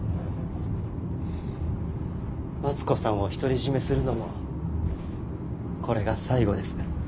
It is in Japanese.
待子さんを独り占めするのもこれが最後です。